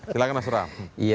silahkan mas pram